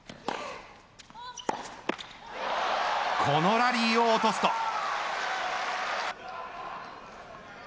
このラリーを落とすと。